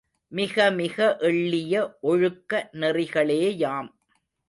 மிகமிக எள்ளிய ஒழுக்க நெறிகளேயாம்.